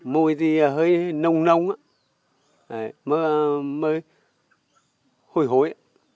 mùi thì hơi nông nông hôi hôi